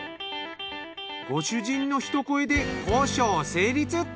ご主人のひと声で交渉成立。